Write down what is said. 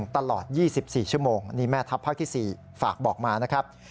ตลอด๒๔ชั่วโมงนี่แม่ทัพภาคที่๔ฝากบอกมานะครับ